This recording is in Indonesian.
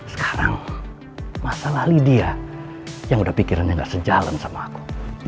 sekarang masalah lydia yang udah pikirannya gak sejalan sama aku